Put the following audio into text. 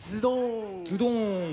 ズドン。